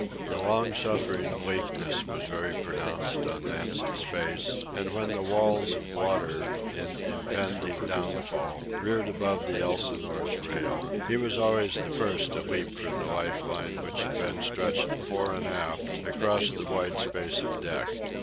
The long suffering bleakness was very pronounced on Nancy's face, and when the walls of water, in impending downfall, reared above the Elsinore's rail, he was always the first to leap for the life line which had been stretched fore and aft across the wide space of deck.